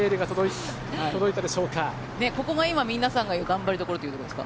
ここも皆さんが言う頑張りどころというところですか。